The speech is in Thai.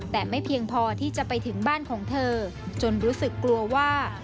แต่ไม่เพียงพอที่จะไปถึงบ้านของเธอจนรู้สึกกลัวว่า